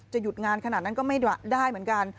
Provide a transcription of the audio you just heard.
หยุดงานขนาดนั้นก็ไม่ได้เหมือนกัน